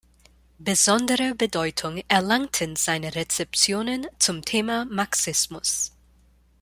Besondere Bedeutung erlangten seine Rezeptionen zum Thema Marxismus.